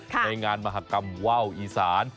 ในงานมหากรรมว่าวอีสาน